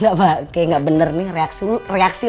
kayaknya nggak bener nih reaksi lu